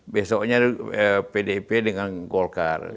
besoknya pdip dengan golkar